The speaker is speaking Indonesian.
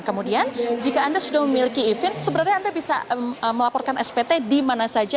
kemudian jika anda sudah memiliki event sebenarnya anda bisa melaporkan spt di mana saja